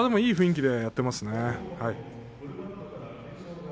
いい雰囲気でやっていますね。